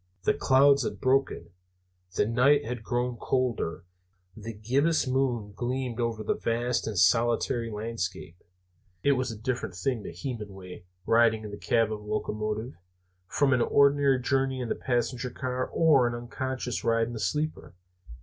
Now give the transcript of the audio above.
The clouds had broken; the night had grown colder; the gibbous moon gleamed over the vast and solitary landscape. It was a different thing to Hemenway, riding in the cab of the locomotive, from an ordinary journey in the passenger car or an unconscious ride in the sleeper.